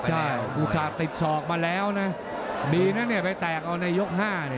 จรรยาติดวันอีก